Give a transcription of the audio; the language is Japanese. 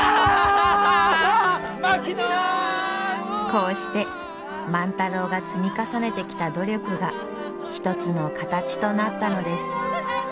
こうして万太郎が積み重ねてきた努力が一つの形となったのです。